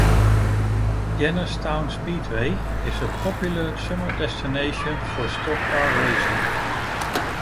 Jennerstown Speedway is a popular summer destination for stock car racing.